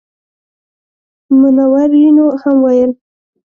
منورینو هم ویل.